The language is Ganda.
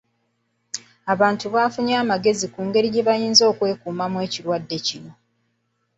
Abantu bafunye amagezi ku ngeri gye bayinza okwekuumamu ekirwadde kino.